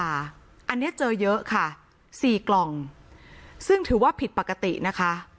อันนี้เจอเยอะค่ะสี่กล่องซึ่งถือว่าผิดปกตินะคะ